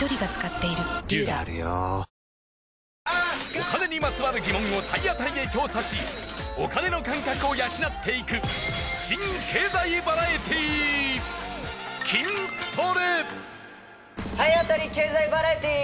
お金にまつわる疑問を体当たりで調査しお金の感覚を養っていく新経済バラエティー体当たり経済バラエティー！